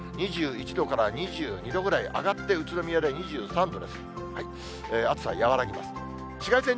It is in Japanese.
２１度から２２度ぐらい、上がって宇都宮では２３度です。